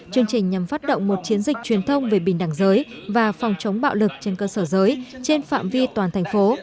chương trình nhằm phát động một chiến dịch truyền thông về bình đẳng giới và phòng chống bạo lực trên cơ sở giới trên phạm vi toàn thành phố